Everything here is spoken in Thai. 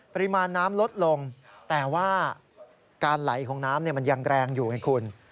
ปริมาณน้ำลดลงแต่ว่าการไหลของน้ำมันยังแรงอยู่ไงคุณ